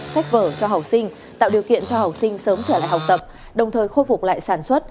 sách vở cho học sinh tạo điều kiện cho học sinh sớm trở lại học tập đồng thời khôi phục lại sản xuất